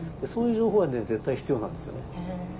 そういう情報は絶対必要なんですよね。